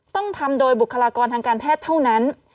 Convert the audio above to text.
ต้องทำโดยบุคลากรทางการแพทย์เท่านั้น